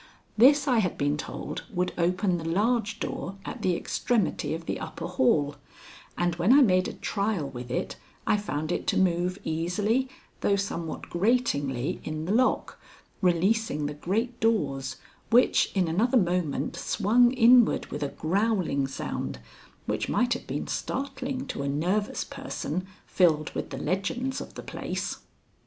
This, I had been told, would open the large door at the extremity of the upper hall, and when I made a trial with it I found it to move easily, though somewhat gratingly, in the lock, releasing the great doors, which in another moment swung inward with a growling sound which might have been startling to a nervous person filled with the legends of the place.